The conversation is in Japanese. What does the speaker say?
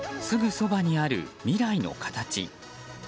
すぐそばにある未来の形。